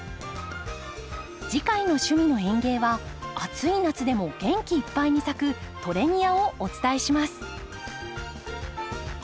次回の「趣味の園芸」は暑い夏でも元気いっぱいに咲くトレニアをお伝えします。